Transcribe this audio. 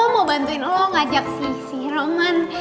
mau bantuin lo ngajak si roman